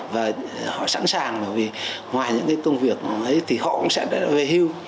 và họ sẵn sàng bởi vì ngoài những cái công việc ấy thì họ cũng sẽ về hưu